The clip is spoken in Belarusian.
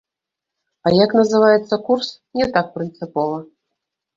А як называецца курс, не так прынцыпова.